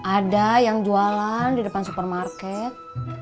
ada yang jualan di depan supermarket